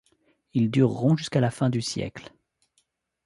Ils dureront jusqu'à la fin du siècle.